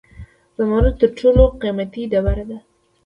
زمرد تر ټولو قیمتي ډبره ده